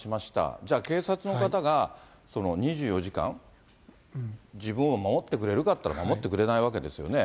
じゃあ、警察の方が２４時間、自分を守ってくれるかっていったら、守ってくれないわけですよね。